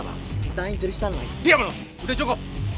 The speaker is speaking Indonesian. masih ada hari besok